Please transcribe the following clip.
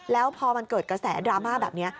แล้วพอมันเกิดกระแสดราม่าแบบนี้